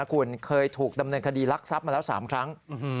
คุณเคยถูกดำเนินคดีรักทรัพย์มาแล้ว๓ครั้ง